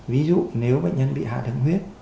ví dụ nếu bệnh nhân bị hạ thường huyết